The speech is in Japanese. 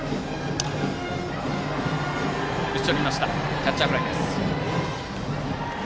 キャッチャーフライです。